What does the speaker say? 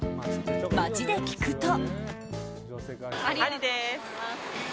街で聞くと。